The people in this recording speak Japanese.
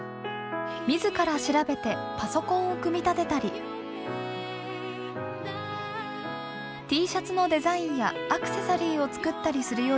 自ら調べてパソコンを組み立てたりＴシャツのデザインやアクセサリーを作ったりするようになりました。